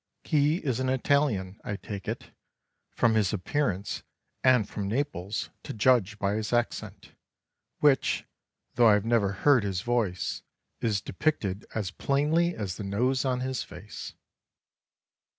He is an Italian, I take it, from his appearance, and from Naples, to judge by his accent, which, though I have never heard his voice, is depicted as plainly as the nose on his face.